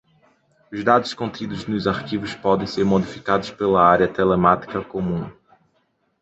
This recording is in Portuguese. Os dados contidos nos arquivos podem ser modificados pela Área Telemática Comum.